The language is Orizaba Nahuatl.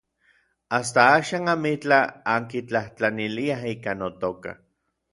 Asta axan amitlaj ankitlajtlaniliaj ika notoka.